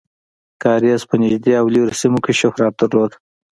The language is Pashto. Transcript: کاریز په نږدې او لرې سیمو کې شهرت درلود.